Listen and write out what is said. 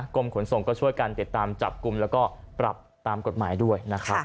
กรมขนส่งก็ช่วยกันเดี๋ยวตามจับกลุ่มแล้วก็ปรับตามกฎหมายด้วย